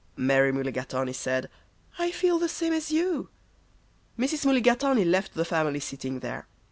Mary Mulligatawny said, "I feel the same as you." Mrs. Mulligatawny left the family sitting there.